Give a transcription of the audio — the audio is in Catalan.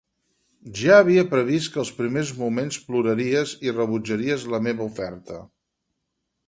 Ja havia previst que els primers moments ploraries i rebutjaries la meva oferta.